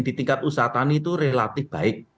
di tingkat usaha tani itu relatif baik